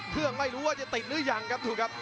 เครื่องไล่รู้ว่าจะติดหรือยังครับถูกครับ